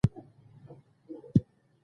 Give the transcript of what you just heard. د روبوټ جوړول د میخانیک او برېښنا ګډ علم دی.